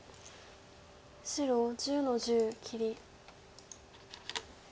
白１０の十切り。